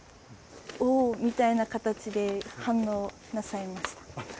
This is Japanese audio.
おおーみたいな形で反応なさいました。